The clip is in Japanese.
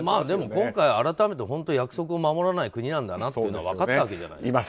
でも今回は改めて本当に約束を守らない国なんだなと分かったわけじゃない。